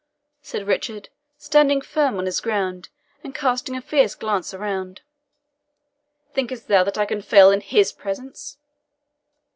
said Richard, standing firm on his ground, and casting a fierce glance around; "thinkest thou that I can fail in HIS presence?"